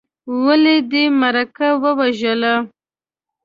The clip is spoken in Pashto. ولې دې مورکۍ ووژله.